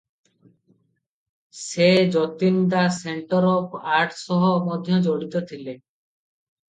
ସେ Jatin Das centre of art ସହ ମଧ୍ୟ ଜଡ଼ିତ ଥିଲେ ।